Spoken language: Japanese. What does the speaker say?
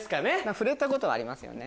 触れたことはありますよね。